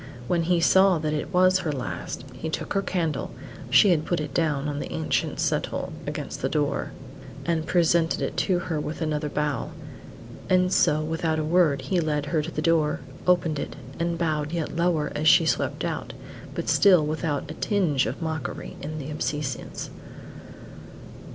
When he saw that it was her last, he took her candle (she had put it down on the ancient settle against the door), and presented it to her with another bow. And so without a word he led her to the door, opened it, and bowed yet lower as she swept out, but still without a tinge of mockery in the obeisance.